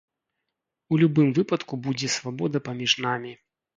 У любым выпадку будзе свабода паміж намі.